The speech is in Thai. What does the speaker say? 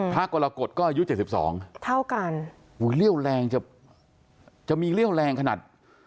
พระกรกฎก็อายุ๗๒เท่ากันอุ๊ยเลี่ยวแรงจะจะมีเลี่ยวแรงขนาด